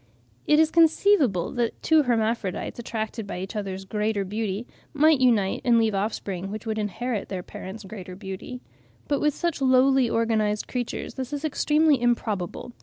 It is conceivable that two hermaphrodites, attracted by each other's greater beauty, might unite and leave offspring which would inherit their parents' greater beauty. But with such lowly organised creatures this is extremely improbable.